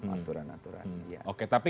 aturan aturan oke tapi